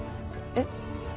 えっ。